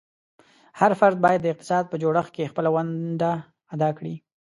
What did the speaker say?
هر فرد باید د اقتصاد په جوړښت کې خپله ونډه ادا کړي.